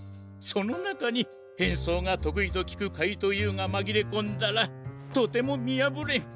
そのなかにへんそうがとくいときくかいとうＵがまぎれこんだらとてもみやぶれん。